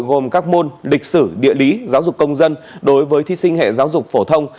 gồm các môn lịch sử địa lý giáo dục công dân đối với thí sinh hệ giáo dục phổ thông